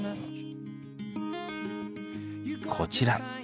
こちら。